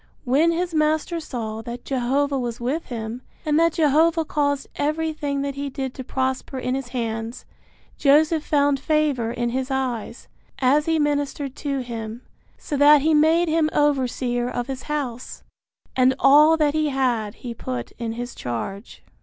When his master saw that Jehovah was with him, and that Jehovah caused everything that he did to prosper in his hands, Joseph found favor in his eyes, as he ministered to him, so that he made him overseer of his house, and all that he had he put in his charge.